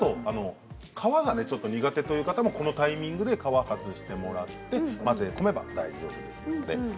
皮が苦手という方もこのタイミングで皮を外してもらって混ぜ込めば大丈夫です。